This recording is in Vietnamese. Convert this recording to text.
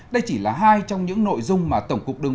đây chỉ là hai trong những nội dung mà tổng cục đường